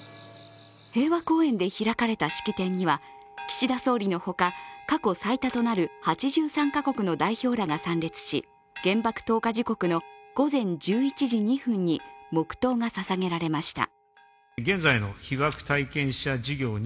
平和公園で開かれた式典には、岸田総理のほか、過去最多となる８３カ国の代表らが参列し原爆投下時刻の午前１１時２分に黙とうがささげられました。